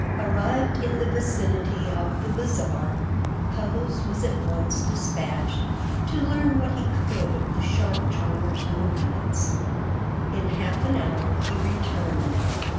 Arrived in the vicinity of the bazaar, Puggles was at once despatched to learn what he could of the shark charmer's movements. In half an hour he returned.